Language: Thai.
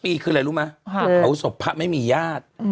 ปีคืออะไรรู้ไหมเผาศพพระไม่มีญาติ